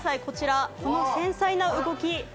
こちらこの繊細な動き